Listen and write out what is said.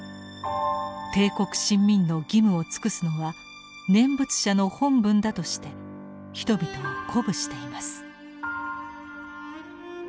「帝国臣民の義務を尽くすのは念仏者の本分」だとして人々を鼓舞しています。